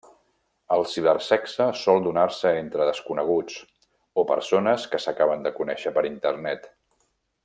El cibersexe sol donar-se entre desconeguts o persones que s'acaben de conèixer per Internet.